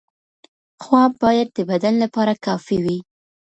خواب باید د بدن لپاره کافي وي.